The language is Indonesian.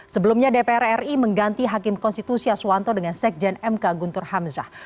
sebelumnya dpr ri mengganti hakim konstitusi aswanto dengan sekjen mk guntur hamzah